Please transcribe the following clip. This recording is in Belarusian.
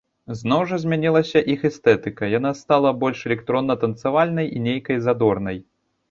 Зноў жа, змянілася іх эстэтыка, яна стала больш электронна-танцавальнай і нейкай задорнай.